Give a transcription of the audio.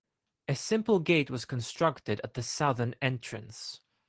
A simple gate was constructed at the southern entrance.